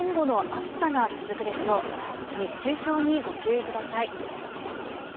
熱中症にご注意ください。